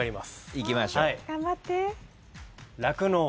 いきましょう。